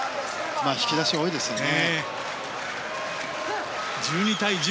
引き出しは多いですね。